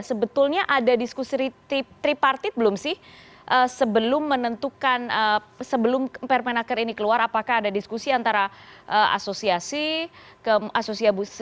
sebetulnya ada diskusi tripartit belum sih sebelum menentukan sebelum permenaker ini keluar apakah ada diskusi antara asosiasi ke asosiasi